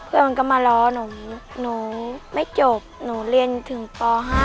เพื่อนมันก็มาร้อนุ่มนุ่มไม่จบนุ่มเรียนถึงป๕